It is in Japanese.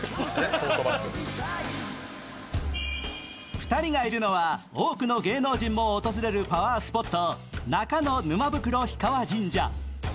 ２人がいるのは多くの芸能人も訪れるパワースポット中野沼袋氷川神社。